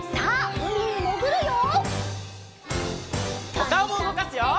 おかおもうごかすよ！